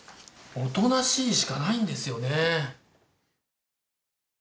おとなしいしかないんですよね。